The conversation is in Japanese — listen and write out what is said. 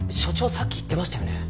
さっき言ってましたよね？